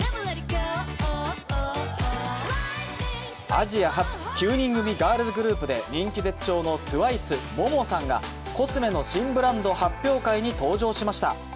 アジア発９人組ガールズグループで人気絶頂のＴＷＩＣＥ、モモさんが、コスメの新ブランド発表会に登場しました。